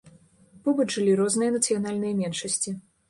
Побач жылі розныя нацыянальныя меншасці.